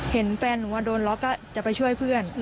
เห็นแฟนหนูว่าโดนล็อกก็จะไปช่วยเพื่อน